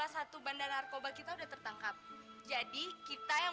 sampai jumpa di video selanjutnya